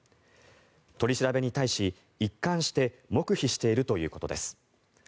取り調べに対し、一貫して黙秘しているということです。